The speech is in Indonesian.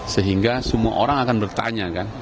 sehingga semua orang akan bertanya kan